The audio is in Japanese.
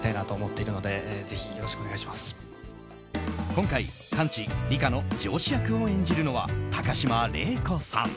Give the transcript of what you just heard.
今回、カンチ、リカの上司役を演じるのは高島礼子さん。